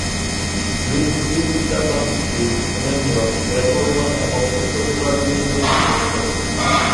Greek জ্যোতির্বিদ্যা প্রাচীন Greek, হেলেনীয়, গ্রেকো-রোমান এবং উত্তর-পুরাকালীন যুগ ধারণ করে।